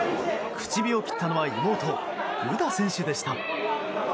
口火を切ったのは妹・詩選手でした。